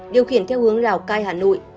điều khiển theo hướng lào cai hà nội